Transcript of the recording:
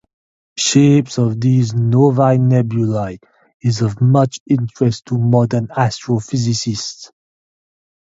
Shapes of these novae nebulae is of much interest to modern astrophysicists.